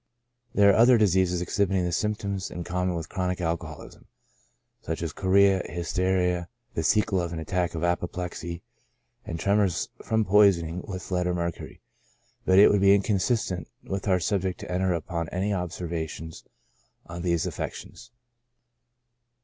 There are other diseases exhibiting symptoms in common with chronic alcoholism, such as chorea, hysteria, the se quel of an attack of apoplexy, and tremors from poisoning with lead or mercury ; but it would be inconsistent with our subject to enter upon any observations on these affec tions.